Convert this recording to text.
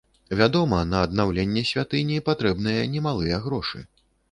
Вядома, на аднаўленне святыні патрэбныя немалыя грошы.